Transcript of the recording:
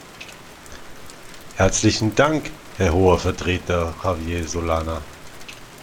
Herzlichen Dank, Herr Hoher Vertreter Javier Solana.